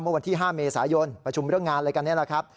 เมื่อวันที่๕เมษายนประชุมเรืองงานแล้วกันเนี่ยแหละครับ